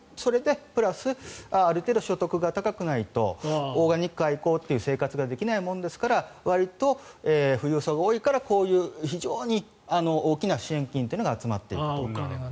プラス、ある程度所得が高くないとオーガニック愛好っていう生活ができないものですからわりと富裕層が多いからこういう非常に大きな支援金というのが集まっていると。